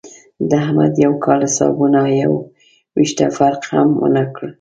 د احمد د یوه کال حسابونو یو وېښته فرق هم ونه کړ.